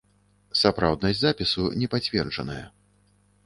Сапраўднасць запісу не пацверджаная.